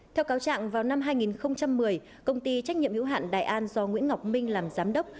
theo cáo trạng vào năm hai nghìn một mươi công ty trách nhiệm hữu hạn đại an do nguyễn ngọc minh làm giám đốc